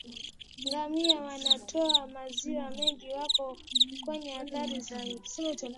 Ngamia wanaotoa maziwa mengi wako kwenye hatari zaidi